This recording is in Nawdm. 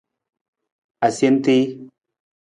Asentii.